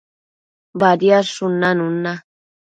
Badiadshun nanun na